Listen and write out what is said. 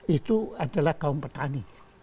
itu adalah kaum petani